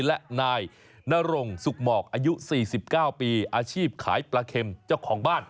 และนายนรงสุกหมอกอายุ๔๙ปีอาชีพขายปลาเข็มเจ้าของบ้าน